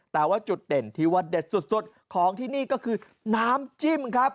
แต่ว่าจุดเด่นที่ว่าเด็ดสุดของที่นี่ก็คือน้ำจิ้มครับ